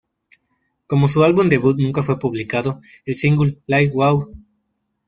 Como su álbum debut nunca fue publicado, el single "Like Wow!